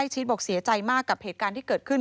ชิดบอกเสียใจมากกับเหตุการณ์ที่เกิดขึ้น